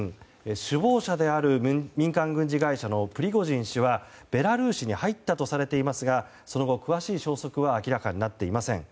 首謀者である民間軍事会社のプリゴジン氏はベラルーシに入ったとされていますがその後の詳しい消息は明らかになっていません。